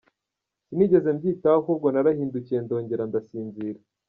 Sinigeze mbyitaho ahubwo narahindukiye ndongera ndisinzirira.